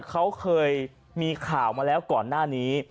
เขาเคยมีข่าวมาแล้วก่อนหน้านี้